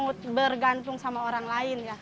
mau bergantung sama orang lain ya